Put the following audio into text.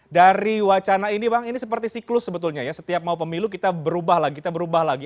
dari wacana ini bang ini seperti siklus sebetulnya ya setiap mau pemilu kita berubah lagi kita berubah lagi